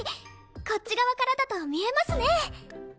こっち側からだと見えますね！